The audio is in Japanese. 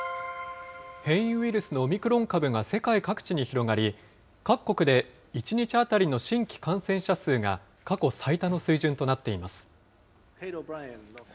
変異ウイルスのオミクロン株が世界各地に広がり、各国で１日当たりの新規感染者数が、過去最多の水準となっています。